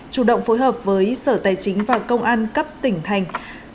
chủ động phối hợp với sở tài chính và công an cấp tỉnh thành